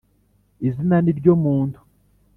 Izina ni ryo muntu.